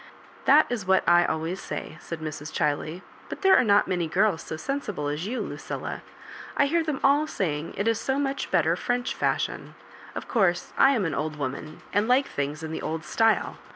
" That is what I always say," said Mrs. Chiley ; "but there are not many g^rls so sensible as you, Lucilla. I hear them all saying it is so much better French fisishion. Of course, I am an old woman, and like things in the old style."